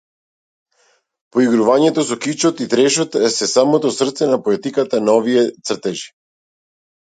Поигрувањето со кичот и трешот се самото срце на поетиката на овие цртежи.